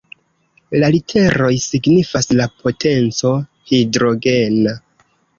La literoj signifas la "potenco Hidrogena".